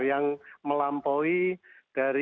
yang melampaui dari